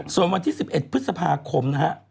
ส่วนวันที่๑๑พฤษภาคมนะฮะ